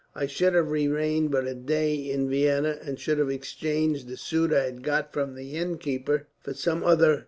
I should have remained but a day in Vienna, and should have exchanged the suit I had got from the innkeeper for some other.